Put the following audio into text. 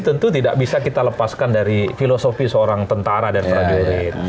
tentu tidak bisa kita lepaskan dari filosofi seorang tentara dan prajurit